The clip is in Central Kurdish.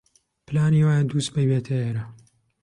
پلانی وایە دووسبەی بێتە ئێرە.